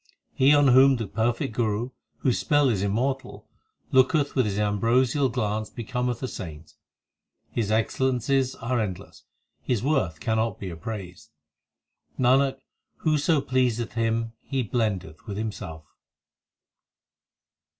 He on whom the perfect Guru, whose spell is immortal, Looketh with his ambrosial glance becometh a saint. His excellences are endless; his worth cannot be appraised. Nanak, whoso pleaseth him he blendeth with himself.